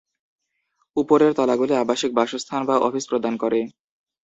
উপরের তলাগুলি আবাসিক বাসস্থান বা অফিস প্রদান করে।